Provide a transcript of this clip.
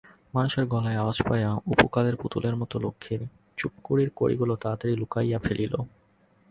মানুষের গলার আওয়াজ পাইয়া অপু কলের পুতুলের মতো লক্ষ্মীর চুপড়ির কড়িগুলি তাড়াতাড়ি লুকাইয়া ফেলিল।